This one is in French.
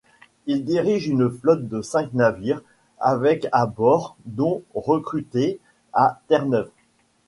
Il dirige une flotte de cinq navires, avec à bord dont recrutés à Terre-Neuve.